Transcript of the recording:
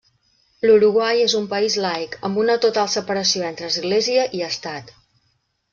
L'Uruguai és un país laic, amb una total separació entre Església i Estat.